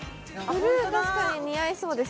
ブルー確かに似合いそうです